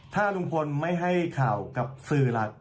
ถ้าลุงพลไม่ให้ข่าวกับสื่อหลัก